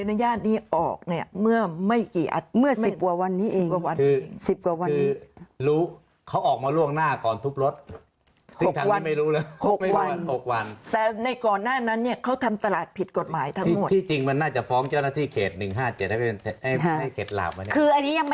ตอนนั้นที่คุณป้าบอกเราเนี่ยคือจริงแล้วร่วม๑๐